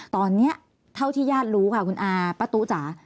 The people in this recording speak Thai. ตอนนี้เท่าที่ญาติรู้ค่ะคุณอาป้าตู้จ๋า